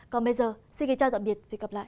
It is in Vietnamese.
còn bây giờ xin kính chào tạm biệt và hẹn gặp lại